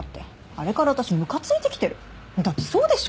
あれから私ムカついてきてだってそうでしょ？